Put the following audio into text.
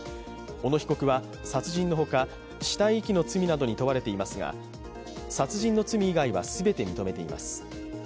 小野被告は殺人のほか死体遺棄の罪などに問われていますが殺人の罪以外はすべて認めています。